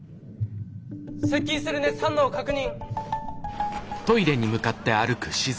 接近する熱反応を確認。